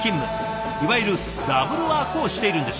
いわゆるダブルワークをしているんです。